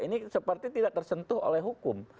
ini seperti tidak tersentuh oleh hukum